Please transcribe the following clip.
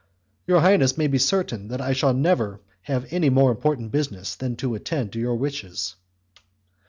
"Your highness may be certain that I shall never have any more important business than to attend to your wishes."